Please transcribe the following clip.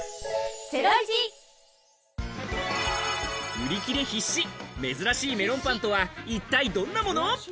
売り切れ必至、珍しいメロンパンとは一体どんなもの？